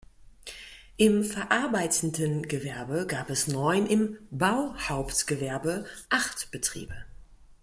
Im verarbeitenden Gewerbe gab es neun, im Bauhauptgewerbe acht Betriebe.